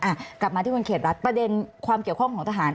อ่ะกลับมาที่คุณเขตรัฐประเด็นความเกี่ยวข้องของทหาร